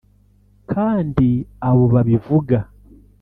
Kandi abo babivuga